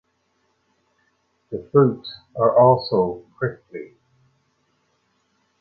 The fruits are also prickly.